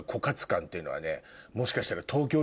もしかしたら。